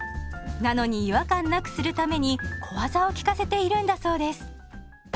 なのに違和感なくするために小技を利かせているんだそうです。